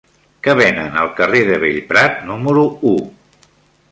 Què venen al carrer de Bellprat número u?